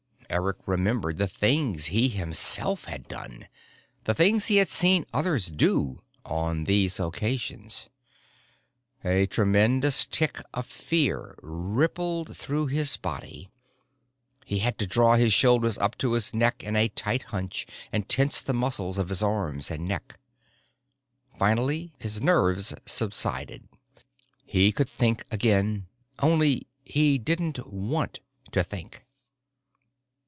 Eric remembered the things he himself had done the things he had seen others do on these occasions. A tremendous tic of fear rippled through his body. He had to draw his shoulders up to his neck in a tight hunch and tense the muscles of his arms and legs. Finally his nerves subsided. He could think again. Only he didn't want to think.